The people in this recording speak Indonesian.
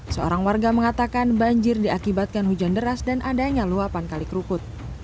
seorang warga mengatakan banjir diakibatkan hujan deras dan adanya luapan kali kerukut